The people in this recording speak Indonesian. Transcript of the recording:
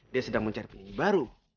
dia sedang mencari penyanyi baru